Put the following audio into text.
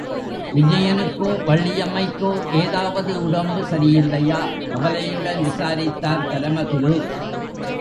விஜயனுக்கோ, வள்ளியம்மைக்கோ ஏதாவது உடம்பு சரியில்லையா? கவலையுடன் விசாரித்தார் பரமகுரு.